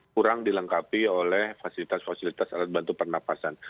kurang dilengkapi oleh fasilitas fasilitas alat bantu pernafasan